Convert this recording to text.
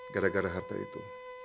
gara gara harta itu